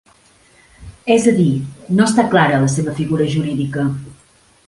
És a dir, no està clara la seva figura jurídica.